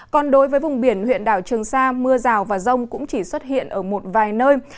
còn đối với vùng biển huyện đảo trường sa mưa rào và rông cũng chỉ xuất hiện ở một vài nơi